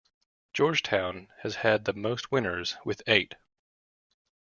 Georgetown has had the most winners, with eight.